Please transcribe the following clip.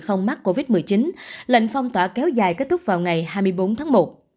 trong khi một số người không mắc covid một mươi chín lệnh phong tỏa kéo dài kết thúc vào ngày hai mươi bốn tháng một